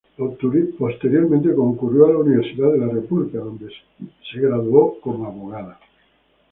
Posteriormente concurrió a la Universidad de la República, donde se graduó como abogada.